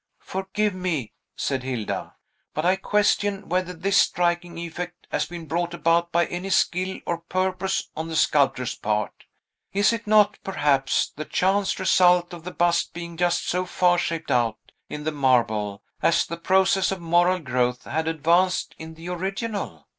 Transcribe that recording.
"Forgive me," said Hilda, "but I question whether this striking effect has been brought about by any skill or purpose on the sculptor's part. Is it not, perhaps, the chance result of the bust being just so far shaped out, in the marble, as the process of moral growth had advanced in the original?